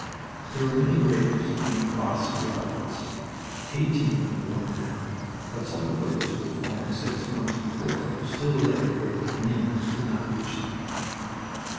There were many graves in the bosky arbors eighteen under one mound but some of those who had fallen six months before still lay where the gleaners could not reach them.